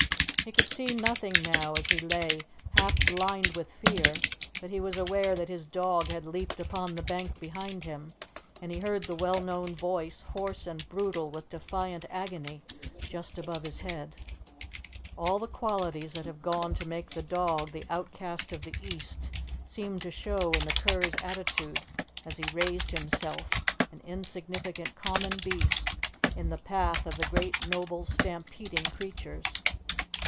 He could see nothing now, as he lay half blind with fear, but he was aware that his dog had leaped upon the bank behind him, and he heard the well known voice, hoarse and brutal with defiant agony, just above his head. All the qualities that have gone to make the dog the outcast of the East seemed to show in the cur's attitude as he raised himself, an insignificant, common beast, in the path of the great, noble, stampeding creatures.